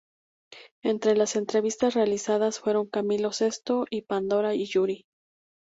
Entre las entrevista realizadas fueron Camilo Sesto, Pandora y Yuri.